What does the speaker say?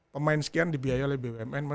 pemain sekian dibiaya oleh bumn